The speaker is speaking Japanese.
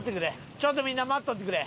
ちょっとみんな待っとってくれ。